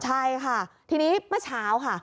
ใช่ค่ะทีนี้เมื่อเช้าค่ะ